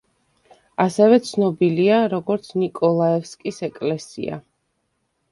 ასევე ცნობილია, როგორც ნიკოლაევსკის ეკლესია.